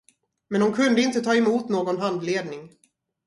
Men hon kunde inte ta emot någon handledning.